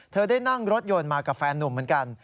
ได้นั่งรถยนต์มากับแฟนนุ่มเหมือนกัน